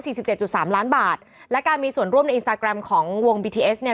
สี่สิบเจ็ดจุดสามล้านบาทและการมีส่วนร่วมในของวงเนี้ย